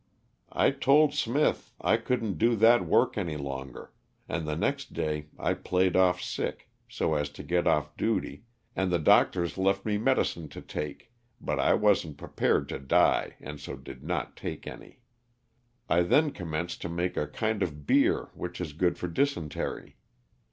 I told Smith I couldn't do that 340 LOSS OF THE SULTANA. work any longer, and tho next day I played off sick so as to get off duty, and the doctors left me medicine to take, but I wasn't prepared to die and so did not take any. I then commenced to make a kind of beer which is good for dysentery.